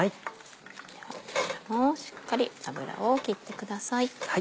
ではこちらもしっかり油を切ってください。